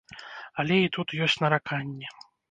Але і тут ёсць нараканні.